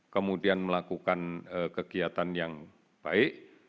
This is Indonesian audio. kemudian melakukan kegiatan yang baik